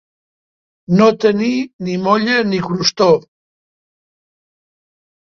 No tenir ni molla ni crostó.